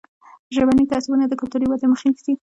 ژبني تعصبونه د کلتوري ودې مخه نیسي.